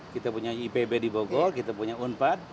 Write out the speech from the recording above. kita punya ipb di bogor kita punya unpad